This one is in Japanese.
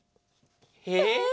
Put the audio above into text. えっ？